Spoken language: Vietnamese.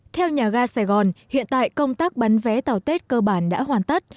theo nhà ga sài gòn hiện tại công tác bán vé tàu tết cơ bản đã hoàn tất